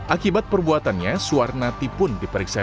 akibat perbuatannya suar nati pun diperiksa